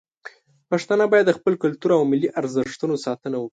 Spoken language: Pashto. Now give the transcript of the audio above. پښتانه باید د خپل کلتور او ملي ارزښتونو ساتنه وکړي.